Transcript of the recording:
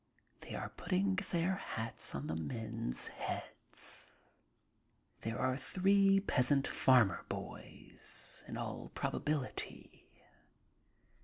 They are putting their hats on the men's heads. There are three peasant farmer boys, in all probability.